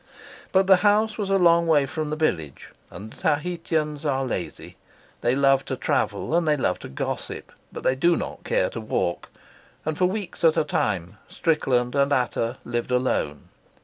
But the house was a long way from the village, and the Tahitians are lazy. They love to travel and they love to gossip, but they do not care to walk, and for weeks at a time Strickland and Ata lived alone.